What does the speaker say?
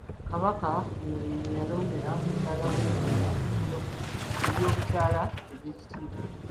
Kabaka ono ye yalondera mukyala we erinnya ery'obukyala ery'ekitiibwa.